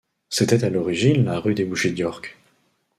C'était à l'origine la rue des bouchers d'York.